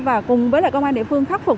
và cùng với công an địa phương khắc phục